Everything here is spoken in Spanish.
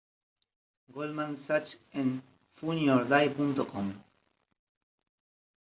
Goldman Sachs" en FunnyorDie.com.